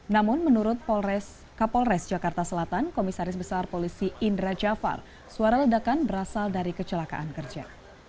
namun menurut kapolres jakarta selatan komisaris besar polisi indra jafar suara ledakan berasal dari kecelakaan kerja